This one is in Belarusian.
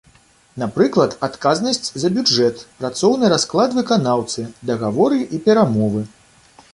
Напрыклад, адказнасць за бюджэт, працоўны расклад выканаўцы, дагаворы і перамовы.